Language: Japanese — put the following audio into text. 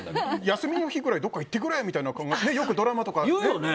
休みの日ぐらいどこか行ってくれ！ってよくドラマとかで。